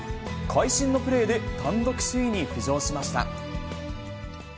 会心のプレーで単独首位に浮上しました。